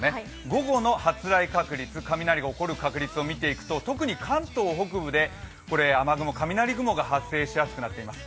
午後の発雷確率を見ていくと特に関東北部で雨雲、雷雲が発生しやすくなっています。